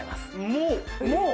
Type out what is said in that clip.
もう？